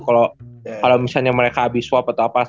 kalau misalnya mereka abis swap atau apa